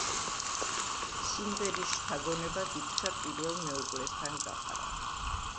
სიმღერის შთაგონებად იქცა პირველ მეუღლესთან გაყრა.